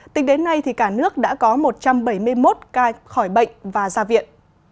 tính đến nay cả nước đã có một trăm bảy mươi một ca khỏi bệnh và ra viện